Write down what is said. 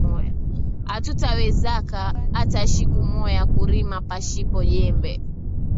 Atuta wezaka ata shiku moya kurima pashipo jembe